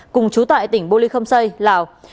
cùng chú tại tỉnh bô lê khăm xây lào